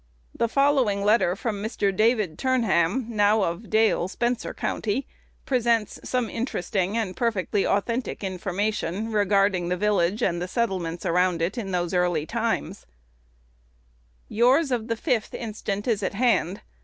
The following letter from Mr. David Turnham, now of Dale, Spencer County, presents some interesting and perfectly authentic information regarding the village and the settlements around it in those early times: "Yours of the 5th inst. is at hand.